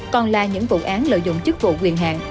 còn là những vụ án lợi dụng chức vụ quyền hạn